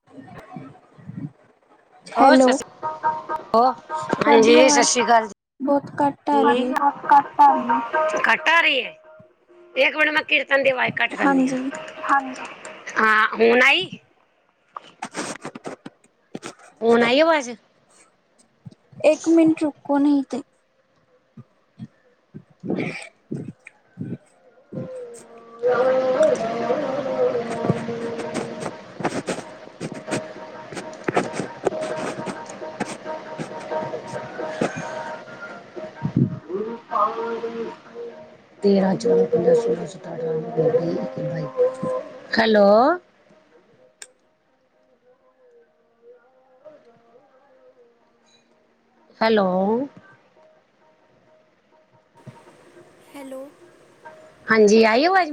[inaudible] ਹੋਰ ਸਤ ਹੈਲੋ, ਸ਼੍ਰੀ ਅ ਹਾਂਜੀ ਤੁਹਾਡੀ ਸਤਿ ਆਵਾਜ਼ ਸ਼੍ਰੀ ਅਕਾਲ ਬਹੁਤ ਘੱਟ ਆ ਜੀ ਰਹੀ ਹੈ, ਕੱਟ ਕੱਟ ਆ ਰਹੀ ਹੈ ਕੱਟ ਆ ਰਹੀ ਹੈ ਇੱਕ ਮਿੰਟ ਮੈ ਕੀਰਤਨ ਕੀਰਤਨ ਦੀ ਅਵਾਜ਼ ਘੱਟ ਕਰਦੀ ਆ ਹਾਂਜੀ। ਹਾਂ ਹੁਣ ਆਈ ਹੁਣ ਆਈ ਆਵਾਜ। ਇੱਕ ਮਿੰਟ ਰੁਕੋ ਨਹੀਂ ਤੇੇ। ਸੀ [inaudible] ਉਹ ਤੇਰਾਂ ਚੌਦ ਪੰਜਾ ਸੋਲਾਂ ਸਤਾਰਾਂ ਬਾਈ ਹੈਲੋ। ਹੈਲੋ। ਹ ਹੈਲੋ। ਹਾਂਜੀ ਆਈ ਅਵਾਜ।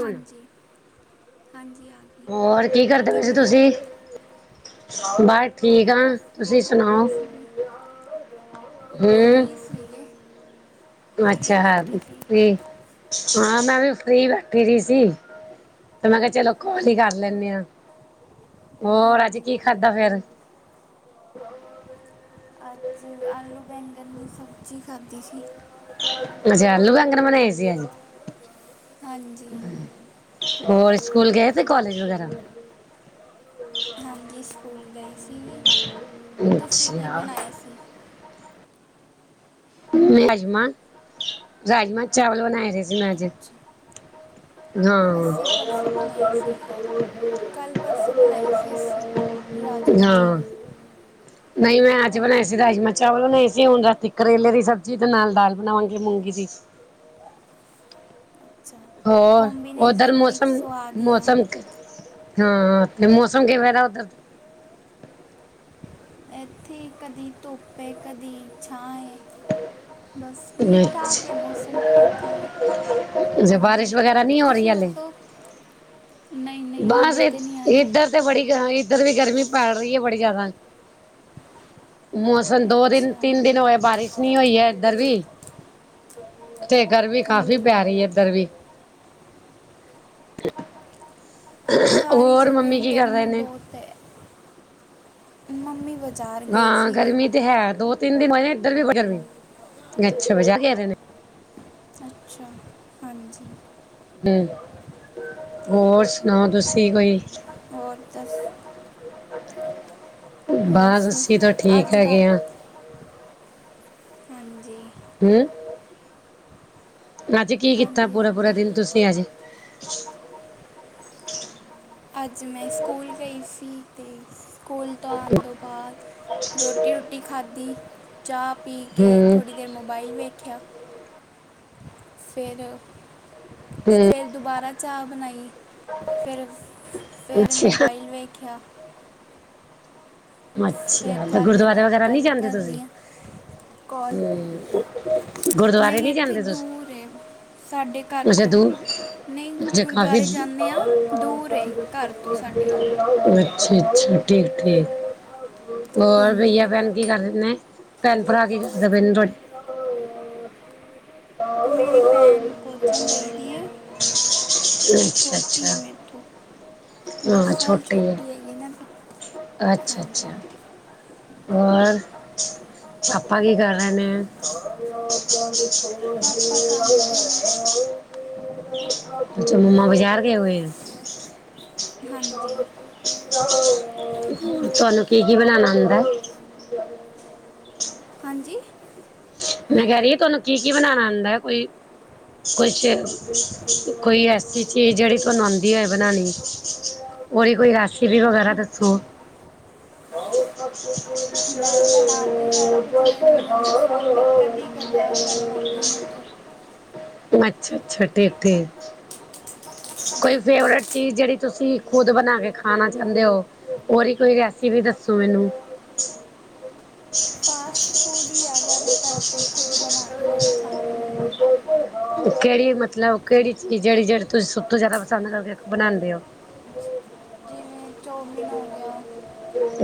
ਹਾਂਜੀ ਹਾਂਜੀ ਆ ਗਏ ਹੋਰ ਕੀ ਕਰਦੇ ਪ ਸੀ ਤੁਸੀਂ ਬ ਠੀਕ ਆ ਬਸ ਫ੍ਰੀ ਤੁਸੀਂ ਸੁਣਾਓ ਬੈਠੀ ਸੀਗੀ, ਹਮ। ਧੀਏ ਅੱਛਾ ਤੇ ਹਾਂ ਮੈਂ ਵੀ ਫਰੀ ਬੈਠੀ ਰਹੀ ਸੀ। ਤੇ ਮੈਂ ਕਿਹਾ ਚਲੋ ਕਲ ਹੀ ਕਰ ਲੈਂਦੇ ਆ ਹੋਰ ਅੱਜ ਹਾਂਜੀ, ਕੀ ਖਾਧਾ ਫੇਰ। ਚ ਅੱਜ ਆਲੂ ਬੈਂਗਨ ਦੀ ਸਬਜ਼ੀ ਖਾਧੀ ਸੀ। ਅੱਛਾ ਆਲੂ ਬਗਣ ਬਾਣੀਆ ਏ ਸੀ ਅੱਜ ਹਾਂਜੀ, ਹੋਰ ਸਕੂਲ ਗਏ ਤੇ ਕਾਲਜ ਵਗੈਰਾ। ਹਾਂਜੀ ਸਕੂਲ ਗਈ ਸੀ ਤੁਸੀਂ ਕੀ ਬਣਾਇਆ ਸੀ। ਮੈਂ ਅੱਜ ਮਾਂ ਰਾਜਮਾਂ ਚਾਵਲ ਬਣਾਏ ਰਹੇ ਸੀ ਮੈਂ ਅੱਜ ਅੱਛਾ, ਅਸੀਂ ਪਰਸੋਂ ਬਣਾਈ ਸੀ, ਹਾਂ। ਰਜਮਾ ਹਾਂ ਚਾਵਲ ਨਹੀਂ ਮੈਂ ਅੱਜ ਬਣਾਏ ਹਾਂਜੀ। ਸੀ ਰਾਜਮਾਂ ਚਾਵਲ ਬਣਾਏ ਸੀ ਹੁਣ ਰਾਤੀ ਕਰੇਲੇ ਦੀ। ਸਬਜ਼ੀ ਦੇ ਨਾਲ ਦਾਲ ਬਣਾਵਾਂਗੇ ਮੂੰਗੀ ਦੀ। ਅੱਛਾ ਹੋਰ ਉਧਰ ਕੰਬੀਨੇਸ਼ਨ ਵਿੱਚ ਮੌਸਮ ਸਵਾਦ ਹੀ ਆ ਮੌਸਮ ਹਾਂ ਤੇ ਮੌਸਮ ਕਿ ਵੈ ਦਾ ਉਧਰ। ਇੱਥੇ ਕਦੀ ਧੁੱਪ ਹੈ ਕਦੀ ਛਾਂ ਹੈ। ਬਸ ਠੀਕ ਠਾਕ ਹੈ ਅੱਛਾ ਮੌਸਮ ਏਥੇ ਵੀ ਜੇ ਹਾਂਜੀ ਬਾਰਿਸ਼ ਵਗੈਰਾ ਨਹੀਂ ਹੋ ਰਹੀ ਤੁਸੀਂ ਹਲੇ ਦੱਸੋ। ਕ ਬਸ ਇੱਧਰ ਤੇ ਬੜੀ ਇੱਧਰ ਵੀ ਗਰਮੀ ਪੈਲ ਰਹੀ ਹੈ ਬੜੀ ਜਿਆਦਾ। ਮੌਸਮ ਦੋ ਦਿਨ ਅੱਛਾ ਤਿੰਨ ਦਿਨ ਹੋਆ ਬਾਰਿਸ਼। ਨ ਹੋਈ ਹੈ ਇੱਧਰ ਵੀ ਤੇ ਘਰ ਵੀ ਕਾਫ਼ੀ ਹਾਂਜੀ ਪੈ ਇੱਧਰ ਵੀ। ਸਾਰੀ ਹੋਰ ਜਗ੍ਹਾ ਮੰਮੀ ਕੀ ਕਰ ਰਹੇ ਗਰਮੀ ਨੇ। ਬਹੁਤ ਹੈ ਮੰਮੀ ਬਜ਼ਾਰ ਹਾਂ ਗਰਮੀ ਤੇ ਹੈ ਦੋ ਤਿੰਨ ਦਿਨ ਹੋ ਇੱਧਰ ਵੀ ਗਰਮੀ ਅੱਛਾ ਬਜ਼ਾਰ ਨੇ। ਅੱਛਾ ਹਾਂਜੀ। ਹਮ ਤੇ ਹੋਰ ਸੁਣਾਓ ਤੁਸੀਂ ਕੋਈ। ਹੋਰ ਦੱਸ? ਬਸ ਬਾਸ ਅਸੀਂ ਤਾਂ ਠੀਕ ਅੱਜ ਰਾਤ ਹੈਗੇ ਆਂ। ਹਾਂਜੀ। ਹੂੰ। ਰਾਤੀ ਕੀ ਕੀਤਾ ਹਾਂਜੀ ਪੂਰਾ-ਪੂਰਾ ਹਾਂਜੀ ਦਿਨ ਤੂਸੀ ਆੱਜ? ਅੱਜ ਮੈਂ ਸੂਕੂਲ ਗਈ ਸੀ ਤੇ, ਸੂਕੂਲ ਤੋਂ ਆਨ ਦੋ ਬਾਦ ਰੋਟੀ-ਰੂਟੀ ਖਾੱਦੀ ਚਾਅ ਪੀ ਕੇ ਹੂੰ ਥੋੜੀ ਦੇਰ ਮੋਬਾਈਲ ਵੇਖੇਆ। ਹੂੰ ਫੇਰ-ਫੇਰ ਦੁਬਾਰਾ ਚਾਅ ਬਨਾਈ। ਫੇਰ-ਫੇਰ ਅੱਛਾ ਮੋਬਾਈਲ ਵੇਖੇਆ। ਫੇਰ ਅੱਛਾ ਤੇ ਤੂਆਡੇ ਗੁਰਦੁਆਰੇ ਨਾਲ ਵਗੈਰਾ ਨਹੀਂ ਗੱਲ ਜਾਂਦੇ ਕਾਰ ਰੀ ਤੁਸੀਂ ਆਂ। ਕੌਲ, ਗੁਰਦੁਆਰੇ ਨਈ ਨਹੀਂ ਐਥੇ ਜਾਂਦੇ ਤੁਸੀਂ ਦੂਰ ਏ, ਸਾਡੇ ਘਾਰ ਅੱਛਾ ਤੋਂ, ਦੂਰ ਨਈ, ਅੱਛਾ ਕਾਫੀ ਗੁਰਦੁਆਰੇ ਅੱਛਾ ਜਾਨੇ ਆਂ, ਦੂਰ ਏ ਘਾਰ ਤੋਂ ਸਾਡੇ। ਅੱਛਾ-ਅੱਛਾ, ਠੀਕ-ਠੀਕ, ਹੋਰ ਹਾਂਜੀ ਬਈਆ ਬੈਨ ਕੀ ਕਾਰ ਰੇ ਨੇ, ਭੈਨ-ਭਰਾ ਕੀ ਕਰਦੇ ਪਏ ਨੇ ਤੋਡ ਭੈਨ ਕੋਚਿੰਗ ਗਈ ਦੀ ਏ, ਅੱਛਾ ਛੋਟੀ ਏ ਮੈਰ ਅੱਛਾ ਤੋਂ। ਦੱਸ ਸਾਲ ਛੋਟੀ ਹੈਗੀ ਨਾ ਫ ਅੱਛ-ਅੱਛਾ, ਹੋਰ? ਆਪਾਂ ਕੀ ਕਾਰ ਰੇ ਨੇ? [unintelligible] [inaudible] [unintelligible] ਪਾਪਾ ਕੰਮ ਤੇ ਨੇ ਅੱਛਾ ਮੱਮਾ ਬਜਾਰ ਗਏ ਹੋਏ ਐ? [unintelligible] ਹਾਂਜੀ [unintelligible] ਤੂਆਨੂੰ ਕੀ-ਕੀ ਬਨਾਨਾ ਆਂਦੈ? ਹਾਂਜੀ। ਮੈਂ ਕੈ ਰੀਆਂ, ਤੁਆਨੂੰ ਕੀ-ਕੀ ਬਨਾਨਾ ਆਂਦੈ, ਕੋਈ ਕੋਈ ਛੇ [unintelligible] ਕੋਈ ਐੱਸੀ ਚੀਜ, ਜੇੜੀ ਤੂਆਨੂੰ ਆਂਦੀ ਹੋਏ ਬਨਾਨੀ? [unintelligible] ਓਦੀ ਕੋਈ ਰੈਸੀਪੀ ਵਗੈਰਾ ਦੱਸੋ? ਮੈਂ ਬਣਾ ਕੇ ਸਾਰਾ ਕੁਝ ਲੈਂਦੀ ਹਾਂ ਬਸ [unintelligible] [inaudible] ਮੰਮੀ ਕਦੀ ਕਦਾਰ ਬਣਵਾਉਂਦੀ ਮੈਥੋਂ [inaudible] ਅੱਛ-ਅੱਛ, ਟੇਠੇ ਕੋਈ ਹਾਂਜੀ ਫੇਵਰੇਟ ਚੀਜ, ਜੇੜੀ ਤੂਸੀ ਖੁਦ ਬਨਾ ਕੇ ਖਾਨਾ ਚ੍ਹਾਂਦੇ ਓ? ਓਦੀ ਕੋਈ ਰੈਸੀਪੀ ਦੱਸੋ ਮੈਨੂੰ? [inaudible] ਫਾਸਟ-ਫੂਡ ਈ ਐ ਜਾਦਾਤਰ ਤੇ ਖੁੱਦ ਬਨਾ ਕੇ ਜੇੜੀ ਖਾਂਦੀ ਆਂ। ਓ ਕੇੜੀ ਮਤਲਬ ਕੇੜੀ ਚੀਜ, ਜੇੜੀ-ਜੇੜੀ ਤੂਸੀ ਸਬ ਤੋਂ ਜਾਦਾ ਪਸੰਦ ਕਰਕੇ ਬਨਾਂਦੇ ਓ? [unintelligible] ਜਿਂਵੇ ਚੌਮੀਨ ਹੋ ਗੇਆ,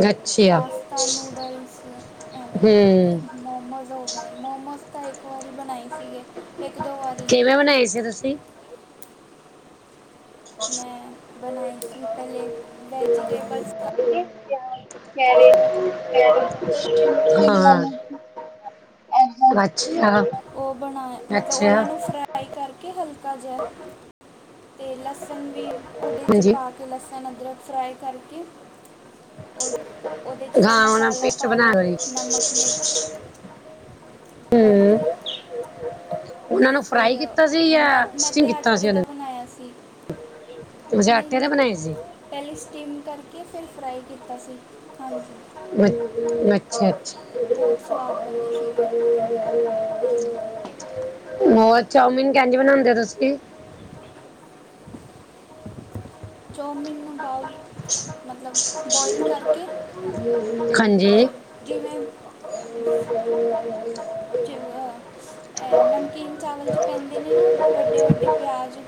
ਅੱਛਾ ਪਾਸਤਾ, ਨੂਡਲਸ। ਹੂੰ। [unintelligible] ਮੋਮੋਸ ਤਾਂ ਇੱਕ ਵਾਰੀ ਬਨਾਏ ਸੀਗੇ, ਏੱਕ-ਦੋ ਵਾਰ। ਕਿਵੇਂ ਬਨਾਏ ਸੀ ਤੂਸੀ? ਮੈਂ ਬਨਾਏ ਸੀ ਪੈਲੇ ਵੈਜੀੇਟੇਬਲਜ਼ ਪਾ ਕੇ, ਕੇਆ ਕੈਰਟ, ਅਚਾ ਸਿਮ ਸ਼ਿਮਲਾ ਹਾਂ ਮਿਰਚ ਐਂਦਾ, ਅੱਛਾ ਓ ਬਣਾਏਆਂ ਮਤਲਬ ਅੱਛਾ ਓਨਾਂ ਨੂੰ ਫਰਾ ਫਰਾਈ ਕਾਰਕੇ ਹਲਕਾ ਜੇਆ, ਤੇ ਲਸਨ ਵੀ ਓਦੇ ਚ ਈ ਹਾਂਜੀ ਪਾ ਤੇ ਲਸਨ, ਅਦਰਕ ਫਰਾਈ ਕਾਰਕੇ ਓ ਓਦੇ ਚ ਫੇਰ ਹਾਂ ਉਹਨਾਂ ਮਸਾਲਾ ਪੇਸਟ ਪਾ ਬਣਾ ਲੋ ਲਈ ਨਮਕ, ਮਿਰਚ ਹਾਂਜੀ। ਹਮ ਉਹਨਾਂ ਨੂੰ ਫਰਾਈ ਫਿਰ ਕੀਤਾ ਸੀ ਜਾਂ ਮੈਂ ਮੈਂ ਸਟੀਮ ਤੇ ਕੀਤਾ ਸੀ, ਆਟੇ ਉਹਨਾਂ ਦਾ ਬਣਾਇਆ ਸੀ ਨੂੰ ਅੱਛਾ ਆਟੇ ਨਹੀਂ ਦੇ ਬਣਾਏ ਸੀ। ਪਹਿਲੇ ਸਟੀਮ ਕਰਕੇ, ਫਿਰ ਫਰਾਈ ਕੀਤਾ ਸੀ। ਹਾਂਜੀ ਅ-ਅੱਛਾ-ਅੱਛਾ। ਬਹੁਤ ਸਵਾਦ ਬਣੇ ਸੀਗੇ [unintelligible] ਹਾਂਜੀ। ਹੋਰ ਚਾਓਮਿਨ ਕਿੰਝ ਬਣਾਉਂਦੇ ਓ ਤੁਸੀਂ? ਚਾਓਮੀਨ ਨੂੰ ਬਾਊਲ ਮਤਲਬ ਬੋਇਲ ਕਰਕੇ, ਹਾਂਜੀ ਫਿਰ ਜਿਵੇਂ [unintelligible] ਚ ਇਹ, ਨਮਕੀਨ ਚਾਵਲ 'ਚ ਪੈਂਦੇ ਨੇ ਨਾ ਵੱਡੇ-ਵੱਡੇ ਪਿਆਜ਼।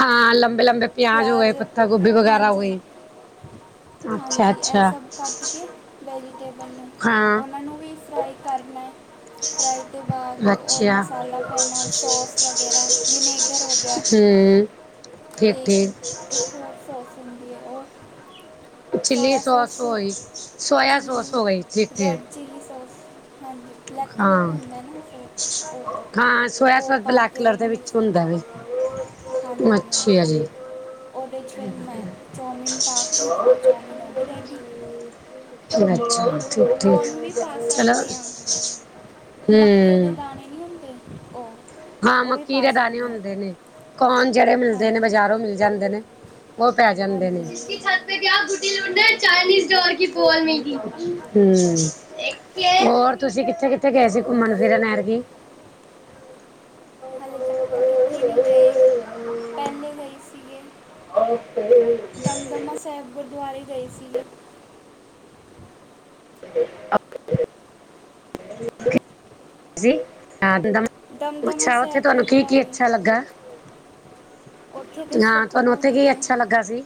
ਹਾਂ, ਲੰਬੇ-ਲੰਬੇ ਪਿਆਜ਼ ਹੋ ਗਏ, ਪੱਤਾ ਗੋਭੀ ਵਗੈਰਾ ਹੋ ਹਾਂਜੀ ਗਈ। ਹਾਂਜੀ ਇਹ ਅੱਛਾ-ਅੱਛਾ। ਸਭ ਕੱਟ ਕੇ ਵੈਜੀਟੇਬਲ ਨੂੰ, ਉਹਨਾਂ ਨੂੰ ਵੀ ਫਰਾਈ ਕਰਨੈ। ਫਰਾਈ ਤੋਂ ਬਾਅਦ ਔਰ ਅੱਛਾ ਮਸਾਲਾ ਪੈਣਾ, ਸੌਸ ਵਗੈਰਾ, ਵਿਨੇਗਰ ਹੋ ਗਿਆ। ਹੂੰ। ਤੇ ਇੱਕ ਹੋਰ-ਹੋਰ ਸੌਸ ਹੁੰਦੀ ਐ ਓ ਚਿਲੀ ਸੋਸ ਹੋ ਗਈ, ਸੋਇਆ ਸੋਸ ਹੋ ਗਈ, ਠੀਕ-ਠੀਕ। ਚਿਲੀ ਸੋਸ ਹਾਂਜੀ, ਬਲੈਕ ਕਲਰ ਦਾ ਹਾਂ ਹੁੰਦਾ ਨਾ ਉਹ‌‌। ਹਾਂ ਸੋਇਆ ਉਹ-ਉਹ ਸੋਸ ਪਾ ਬਲੈਕ ਕੇ, ਕਲਰ ਦੇ ਉਹਨੂੰ ਵਿੱਚ ਮਿਕਸ ਹੁੰਦਾ ਵੇ ਕਰ ਹਾਂਜੀ-ਹਾਂਜੀ। ਅੱਛਾ ਜੀ ਉਹਦੇ 'ਚ ਫਿਰ ਮੈਂ ਚਓਮੀਨ ਪਾ ਕੇ ਔਰ ਚਓਮੀਨ ਹੋ ਗੀ ਰੈਡੀ। ਅੱਛਾ। ਕੌਰਨ ਠੀਕ-ਠੀਕ, ਵੀ ਪਾ ਚਲੋ ਸਕਦੇ ਆ ਮੱਕੇ ਹਮ। ਦੇ ਦਾਣੇ ਨਹੀ ਹੁੰਦੇ, ਉਹ ਹਾਂ। ਉਹ ਵੀ ਮੱਕੀ ਪਾ ਦੇ ਦਾਣੇ ਸਕਦੇ ਆ ਹੁੰਦੇ ਕੋਰਨ, ਜਿਹੜੇ ਮਿਲਦੇ ਨੇ ਹਾਂਜੀ ਬਜ਼ਾਰੋਂ ਮਿਲ ਜਾਂਦੇ ਨੇ। ਉਹ ਪੈ ਜਾਂਦੇ ਹਾਂਜੀ ਨੇ। ਹਾਂਜੀ ਉਹ- ਹਾਂਜੀ ਹੂੰ। ਹੋਰ ਤੁਸੀਂ ਕਿੱਥੇ-ਕਿੱਥੇ ਗਏ ਸੀ ਘੁੰਮਣ-ਫਿਰਨ ਐਤਕੀ? ਹਾਲੇ ਤੱਕ ਤਾਂ ਕਿਤੇ ਨਈ ਗਏ, ਪਹਿਲੇ ਗਏ ਸੀਗੇ। [unintelligible] ਦੰਮਾ ਸਾਹਿਬ ਗੁਰਦੁਆਰੇ ਗਏ ਸੀਗੇ। [unintelligible] ਦਮਦਮਾ ਅੱਛਾ, ਉੱਥੇ ਸਾਹਿਬ ਤੁਹਾਨੂੰ ਕੀ-ਕੀ ਗੁਰਦੁਆਰੇ ਅੱਛਾ ਲੱਗਾ? ਹਾਂ, ਉੱਥੇ ਤੇ ਤੁਹਾਨੂੰ ਸਕੂਨ ਉੱਥੇ ਹੀ ਕੀ ਹੈ ਅੱਛਾ ਲੱਗਾ ਸੀ?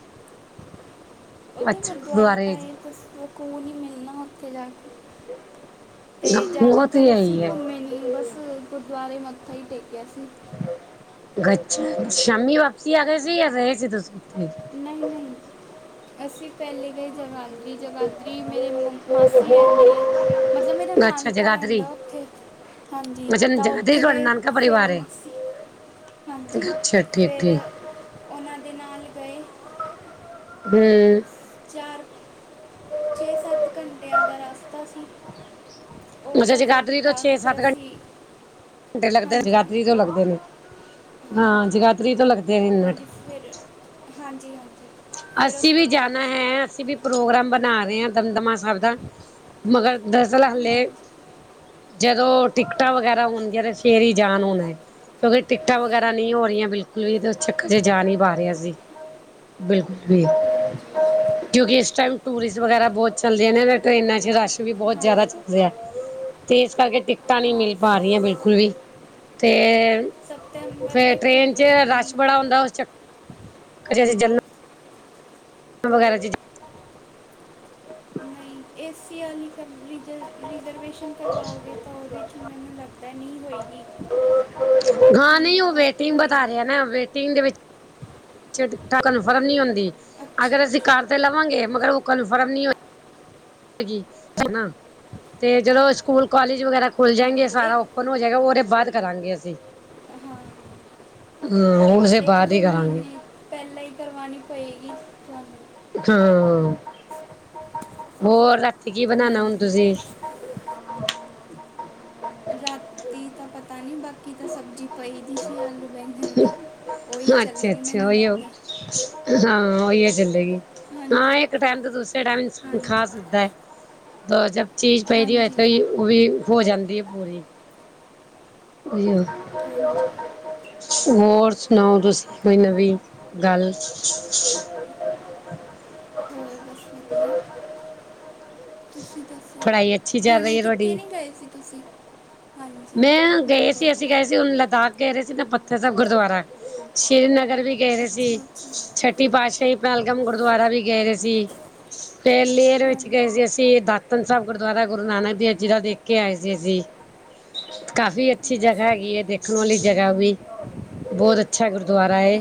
ਉੱਥੇ ਅੱਛਾ ਗੁਰਦੁਆਰਾ ਗੁਰਦੁਆਰੇ ਏ, ਤਾਂ ਸਕੂਨ ਈ ਮਿਲਣਾ ਉੱਥੇ ਜਾ ਕੇ। ਤੇ ਉਹ ਤੇ ਜ਼ਿਆਦਾਤਰ ਅਸੀਂ ਇਹੀ ਹੈ ਘੁੰਮੇ ਨਈ, ਬਸ ਗੁਰਦੁਆਰੇ ਮੱਥਾ ਈ ਟੇਕਿਆ ਅਸੀਂ। [unintelligible] ਸ਼ਾਮੀ ਵਾਪਸੀ ਆ ਗਏ ਸੀ ਜਾਂ ਰਹੇ ਸੀ ਤੁਸੀਂ ਉਥੇ? ਨਈ-ਨਈ। ਅਸੀਂ ਪਹਿਲੇ ਗਏ ਜਵਾਨ ਦੀ ਜਗ੍ਹਾਦਰੀ, ਮੇਰੀ ਮਾਸੀ ਰਹਿੰਦੀ ਏ। ਮਤਲਬ ਮੇਰਾ ਅੱਛਾ ਨਾਨਕਾ ਜਗਾਦਰੀ ਰਹਿੰਦਾ ਉੱਥੇ। ਹਾਂਜੀ ਅੱਛਾ ਤਾਂ ਜਗਾਦਰੀ ਉੱਥੇ ਤੁਹਾਡੇ ਗਏ ਨਾਨਕਾ ਫੇਰ ਪਰਿਵਾਰ ਹੈ ਮਾਸੀ ਹਾਂਜੀ, ਅੱਛਾ ਠੀਕ ਫਿਰ ਠੀਕ ਉਹਨਾਂ ਦੇ ਨਾਲ ਗਏ। ਹੂੰ। ਚਾਰ, ਛੇ-ਸੱਤ ਘੰਟਿਆਂ ਦਾ ਰਸਤਾ ਸੀ। ਉਹ ਅੱਛਾ। ਸਫ਼ਰ ਜੇਗਾਦਰੀ ਤੋਂ ਬਿਤਾ ਕੇ ਫਿਰ ਛੇ-ਸਤ ਘੰਟੇ ਅਸੀਂ ਤੇ ਲੱਗਦੇ ਹਾਂਜੀ ਜਗਾਦਰੀ ਤੋਂ ਲੱਗਦੇ ਨੇ ਹਾਂਜੀ ਹਾਂ, ਜਗਾਧਰੀ ਤੋਂ ਲੱਗ ਹਾਂਜੀ ਫਿਰ, ਹਾਂਜੀ ਹਾਂਜੀ। ਫਿਰ ਉਸ ਅਸੀਂ ਤੋਂ ਵੀ ਬਾਅਦ ਜਾਣਾ ਹੈ। ਅਸੀਂ ਵੀ ਪ੍ਰੋਗਰਾਮ ਬਣਾ ਰੇ ਆਂ ਦਮਦਮਾ ਸੈਬ ਦਾ, ਮਗਰ ਦਰਸਲ ਹਲੇ ਹਾਂਜੀ ਜਦੋਂ ਟਿਕਟਾਂ ਵਗੈਰਾ ਹੋਣਗੀਆਂ ਤਾਂ ਫੇਰ ਈ ਜਾਣ ਹੋਣੈ। ਕਿਉਂਕਿ ਟਿਕਟਾਂ ਵਗੈਰਾ ਨਹੀਂ ਹੋ ਰੀਆਂ ਬਿਲਕੁਲ ਵੀ, ਤੇ ਉਸ ਚੱਕਰ ਏ ਜਾ ਨੀ ਪਾ ਰੇ ਅਸੀਂ। ਬਿਲਕੁਲ ਵੀ। ਜੀ। ਕਿਉਂਕਿ ਇਸ ਟੈਮ ਟੂਰਿਸਟ ਵਗੈਰਾ ਬੌਤ ਚੱਲਦੇ ਨੇ ਤੇ ਟਰੇੇਨਾਂ 'ਚ ਰਸ਼ ਵੀ ਬੌਤ ਜੈਦਾ ਚੱਲ ਹਾਂਜੀ ਰਿਹੈ। ਤੇ ਇਸ ਕਰਕੇ ਟਿਕਟਾਂ ਨੀ ਹਾਂ ਮਿਲ ਪਾ ਰੀਆਂ ਬਿਲਕੁਲ ਵੀ। ਤੇ ਸਤੰਬਰ ਫੇਰ ਤੱਕ ਟ੍ਰੇਨ ਚ ਹੋਵੇਗੀ ਰਸ਼ ਬੜਾ ਹੁੰਦੈ ਉਸ ਚੱਕਰ ਚ ਅਸੀਂ ਜ ਵਗੈਰਾ ਚ ਫੀ ਅਲੀ ਕਰ ਰਿਜਰ-ਰਿਜ਼ਰਵੇਸ਼ਨ ਕਰਵਾਓਗੇ ਤਾਂ ਓਹਦੇ 'ਚ ਮੈਨੂੰ ਲੱਗਦੈ ਨਹੀਂ ਹੋਏਗੀ। ਹਾਂ ਭੀੜ ਨਹੀਂ, ਓਹ ਘੱਟ ਵੇਟਿੰਗ ਬਤਾ ਹੋਏਗੀ ਰਿਐ ਨਾ, ਵੇਟਿੰਗ ਦੇ ਵਿੱ ਚ ਕਟਾਂ ਕਨਫਰਮ ਨੀ ਹੁੰਦੀ, ਅੱਛਾ ਅਗਰ ਅਸੀਂ ਕਰ ਅੱਛਾ ਤੇ ਲਵਾਂਗੇ ਮਗਰ ਓਹ ਕਨਫਰਮ ਨਹੀਂ ਹੋਏ ਗੀ ਹਨਾ ਤੇ ਜਦੋਂ ਸਕੂਲ, ਕੌਲੇਜ ਵਗੈਰਾ ਖੁੱਲ ਜਾਏੰਗੇ ਹਾਂਜੀ ਸਾਰਾ ਇੱਕ ਓਪਨ ਹੋ ਜਾਏਗਾ ਓਹਦੇ ਬਾਦ ਕਰਾਂਗੇ ਅਸ ਦੇਈਂ, ਹਾਂ ਜ ਹੁਣ ਸੇ ਇੱਕ ਦੋ ਮਈਨੇ ਪੈਲਾਂ ਈ ਕਰਵਾਣੀ ਪਏਗੀ ਤੁਆਨੂੰ। ਥ, ਹੋਰ ਰਾਤੀ ਕੀ ਬਣਾਣਾ ਹੁਣ ਹਾਂਜੀ ਤੁਸੀਂ? [inaudible] ਰਾਤੀ ਤਾਂ ਪਤਾ ਨੀ ਬਾਕੀ ਤਾਂ ਸਬਜ਼ੀ ਪਈ ਦੀ ਸੀ ਆਲੂ ਬੈਂਗਣ ਦੀ। ਓਹੀ ਚੱਲੇਗੀ ਅੱਛਾ-ਅੱਛਾ ਮੈਨੂੰ ਉਹੀਓ ਲੱਗਦੈ। ਹਾਂ, ਓਹੀਓ ਚੱਲੇਗੀ। ਹਾਂ ਹਾਂਜੀ ਏ ਇੱਕ ਟੈਮ ਤੋ ਦੂਸਰੇ ਟੈਮ ਇਨਸਾਨ ਹਾਂਜੀ ਖਾ ਸਕਦਾ ਐ, ਤੋ ਜਬ ਚੀਜ਼ ਪਈ ਦੀ ਹੋਏ ਹਾਂਜੀ ਤੇ ਯੂ ਉਵੀ ਹੋ ਜਾਂਦੀ ਏ ਪੂਰੀ। ਓਈਓ ਹਾਂਜੀ ਹੋਰ ਸੁਣਾਓ, ਤੁਸੀ ਕੋਈ ਨਵੀਂ ਗੱਲ? ਹੋਰ ਬਸ ਵਧੀਆ। ਫੜਾਈ ਅ ਹੋਣੇ ਕਿੱਥੇ ਨੀ ਗਏ ਸੀ ਤੁਸੀਂ? ਹਾਂਜੀ ਮੈਂ ਗਏ ਬਹੁਤ ਸੀ ਅਸੀਂ ਵਧੀਆ ਗਏ ਸੀ ਹੁਣ ਲੱਦਾਖ। ਗਏ ਦੇ ਸੀ ਨਾ ਪੱਥਰ ਸੈਬ ਗੁਰਦੁਆਰਾ, ਸ਼੍ਰੀਨਗਰ ਵੀ ਗਏ ਦੇ ਸੀ। ਅੱਛਾ ਅੱਛਾ ਛ ਟੀ ਪਾਤਸ਼ਾਹੀ ਪੈਲਗਮ ਗੁਰਦੁਆਰਾ ਵੀ ਗਏ ਦੇ ਸੀ। ਫੇਰ ਲੇਅਰ ਵੇਚ ਗਏ ਹਾਂਜੀ ਸੀ ਅਸੀਂ ਦਾਤਨ ਸਾਬ ਗੁਰਦੁਆਰਾ ਗੁਰੂ ਨਾਨਕ ਦੇਵ ਜੀ ਦਾ ਓਹ ਦੇਖ ਕੇ ਆਏ ਸੀ ਅਸੀਂ। ਕਾਫ਼ੀ ਅੱਛੀ ਜਗ੍ਹਾ ਹੈਗੀ ਏ ਦੇਖਣ ਵਾਲੀ ਜਗ੍ਹੈ ਓਹ ਵੀ। ਬੌਤ ਅੱਛਾ ਗੁਰਦੁਆਰਾ ਏ,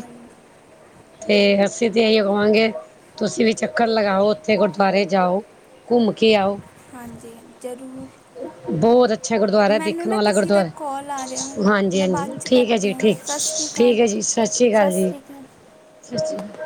ਤੇ ਅੱਸੀਂ ਤੇ ਅਈਓ ਕਵਾਂਗੇ ਤੁਸੀਂ ਵੀ ਚੱਕਰ ਲਗਾਓ ਓਥੇ ਗੁਰਦੁਆਰੇ ਜਾਓ, ਘੁੰਮ ਕੇ ਆਓ। ਹਾਂਜੀ, ਜ਼ਰੂਰ। ਬੌਤ ਅੱਛੇ ਗੁਰਦੁਆਰੈ ਦੇਖ ਮੈਨੂੰ ਨਾ ਲਾ ਕਿਸੇ ਦਾ ਕਾਲ ਆ ਰਿਹਾ ਵਾ ਗੁਰਦੁਅ--ਹਾਂਜੀ ਮੈਂ ਹਾਂਜੀ, ਬਾਅਦ ਚ ਠੀਕ ਐ ਕਰਦੀ ਜੀ ਹਾਂ ਠੀਕ ਸਤਿ ਸ੍ਰੀ ਅਕਾਲ ਠੀਕ ਐ ਜੀ, ਸਤ ਸ੍ਰੀ ਕਾਲ ਸਤਿ ਜੀ‌। ਅਕਾਲ ਸਤਸੀ ਕਾ